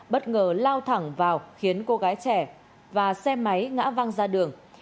bất ngờ lao thẳng vào khiến cô gái trẻ và xe máy ngã văng ra đường